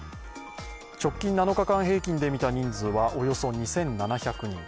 直近７日間平均で見た人数はおよそ２７００人。